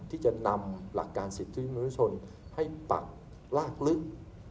ที่จะนำหลักการสิทธิมนุษยชนให้ปักลากลึก